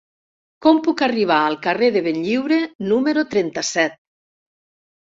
Com puc arribar al carrer de Benlliure número trenta-set?